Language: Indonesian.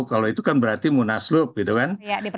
kalau itu kan berarti munaslup gitu kan